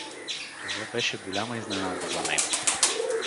Това беше голяма изненада за него.